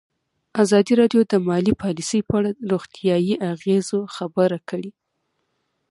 ازادي راډیو د مالي پالیسي په اړه د روغتیایي اغېزو خبره کړې.